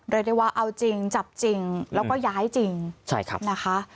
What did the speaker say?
เรียกได้ว่าเอาจริงจับจริงแล้วก็ย้ายจริงใช่ครับนะคะ